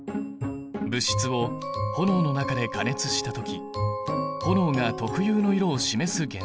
物質を炎の中で加熱した時炎が特有の色を示す現象だ。